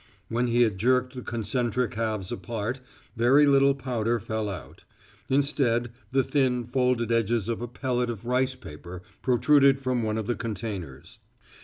When he had jerked the concentric halves apart, very little powder fell out. Instead, the thin, folded edges of a pellet of rice paper protruded from one of the containers.